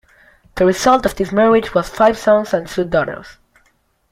The result of this marriage was five sons and two daughters.